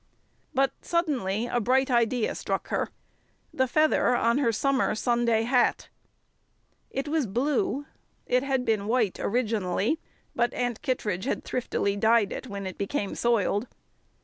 But suddenly a bright idea struck her. The feather on her summer Sunday hat! It was blue it had been white originally, but Aunt Kittredge had thriftily had it dyed when it became soiled.